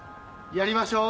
やりましょう！